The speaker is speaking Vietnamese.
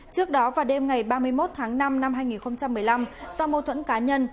trước đó vào đêm ngày ba mươi một tháng năm năm hai nghìn một mươi năm do mâu thuẫn cá nhân